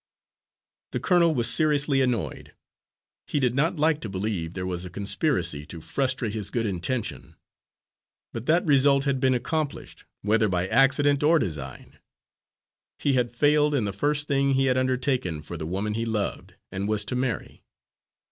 The colonel was seriously annoyed. He did not like to believe there was a conspiracy to frustrate his good intention; but that result had been accomplished, whether by accident or design. He had failed in the first thing he had undertaken for the woman he loved and was to marry.